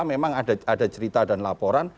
memang ada cerita dan laporan